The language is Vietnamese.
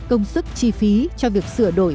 công sức chi phí cho việc sửa đổi